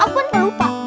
aku kan lupa